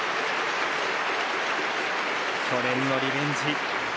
去年のリベンジ